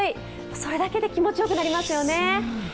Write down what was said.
それだけで気持ちよくなりますよね。